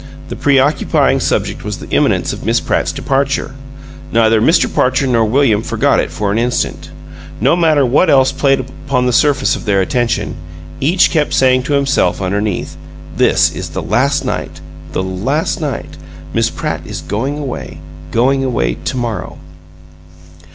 The preoccupying subject was the imminence of Miss Pratt's departure; neither Mr. Parcher nor William forgot it for an instant. No matter what else played upon the surface of their attention, each kept saying to himself, underneath: "This is the last night the last night! Miss Pratt is going away going away to morrow!"